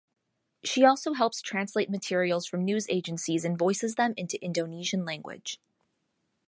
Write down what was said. She also helps translate materials from news agencies and voices them into Indonesian language.